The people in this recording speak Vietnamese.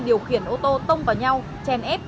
điều khiển ô tô tông vào nhau chèn ép